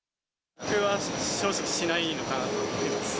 僕は正直しないかなと思います。